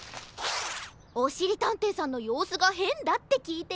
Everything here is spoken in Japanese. おしりたんていさんのようすがへんだってきいてよ。